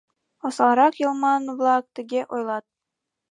Осалрак йылман-влак тыге ойлат: